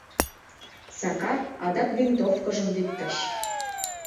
Сакар адак винтовкыжым виктыш.